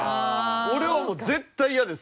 俺はもう絶対嫌です